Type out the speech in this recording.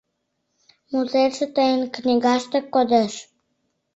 Мутетше тыйын книгаште кодеш.